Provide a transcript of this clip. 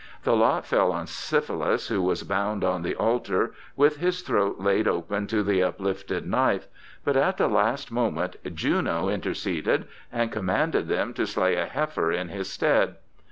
The lot fell on Syphilus, who was bound on the altar with his throat laid open to the uplifted knife, but at the last moment Juno interceded and commanded them to slay a heifer in his stead.